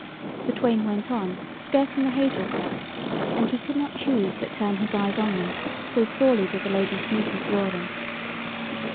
The twain went on, skirting the hazel copse, and he could not choose but turn his eyes on them, so sorely did the Lady's beauty draw them.